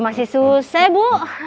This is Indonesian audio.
masih susah bu